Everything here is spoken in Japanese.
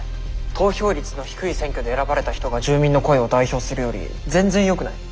投票率の低い選挙で選ばれた人が住民の声を代表するより全然よくない？